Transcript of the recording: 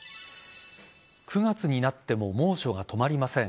９月になっても猛暑が止まりません。